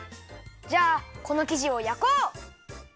じゃあこのきじをやこう！